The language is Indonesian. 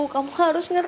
kamu harus ngerti